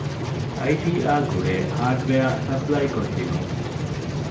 އައިޓީއާ ގުޅޭ ހާޑްވެއަރ ސަޕްލައިކޮށްދިނުން